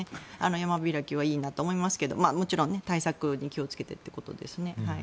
山開きはいいなと思いますがもちろん対策に気をつけてということですね。